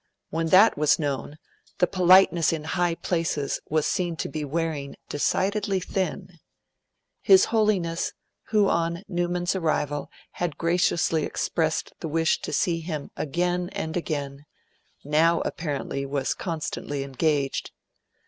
When that was known, the politeness in high places was seen to be wearing decidedly thin. His Holiness, who on Newman's arrival had graciously expressed the wish to see him 'again and again', now, apparently, was constantly engaged.